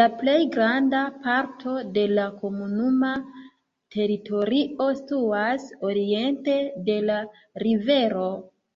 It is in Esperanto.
La plej granda parto de la komunuma teritorio situas oriente de la rivero.